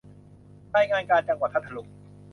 รายงานการจังหวัดพัทลุง